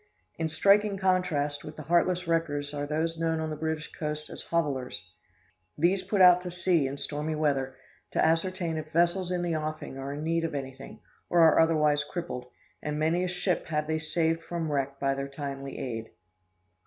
In striking contrast with the heartless wreckers are those known on the British coast as "hovellers." These put out to sea in stormy weather to ascertain if vessels in the offing are in need of anything, or are otherwise crippled: and many a ship have they saved from wreck by their timely aid.